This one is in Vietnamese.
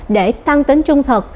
để tăng tính trung thực